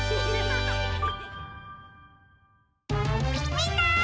みんな！